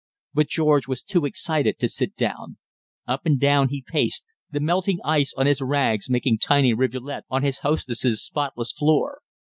But George was too excited to sit down. Up and down he paced, the melting ice on his rags making tiny rivulets on his hostess's spotless floor.